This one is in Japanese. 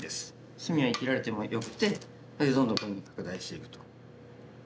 隅は生きられてもよくてそれでどんどんここに拡大していくと。